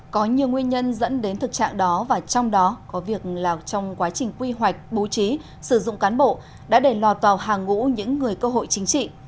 có nhiều nguyên nhân dẫn đến thực trạng đó và trong đó có việc là trong quá trình quy hoạch bố trí sử dụng cán bộ đã để lò tòa hàng ngũ những người cơ hội chính trị